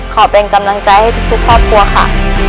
ขอเป็นกำลังใจให้ทุกครอบครัวค่ะ